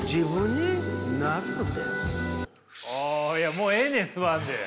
もうええねん吸わんで。